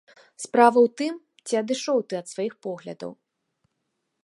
Справа ў тым, ці адышоў ты ад сваіх поглядаў.